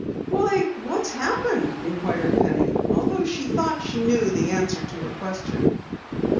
"Why, what has happened?" inquired Penny, although she thought she knew the answer to her question.